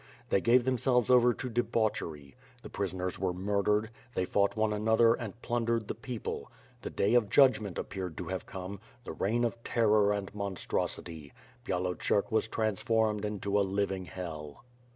They gave themselves over to de bauchery. The prisoners were murdered, they fought one 21 3^2 tr/a^jET mRB and sword. another and plundered the people. The Day of Judgment appeared to have come; the reign of terror and monstrosity. Byalocerk was transformed into a living Hell.